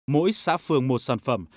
mỗi xã phường một sản phẩm